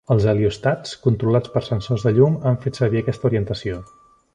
Els heliòstats controlats per sensors de llum han fet servir aquesta orientació.